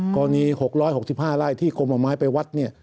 กรณี๖๖๕ไร่ที่กรมห่อไม้ไปวัดเนี่ย